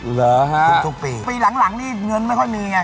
เหรอฮะทุกทุกปีปีหลังหลังนี่เงินไม่ค่อยมีไง